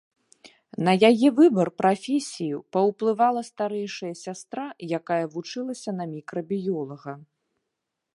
На яе выбар прафесіі паўплывала старэйшая сястра, якая вучылася на мікрабіёлага.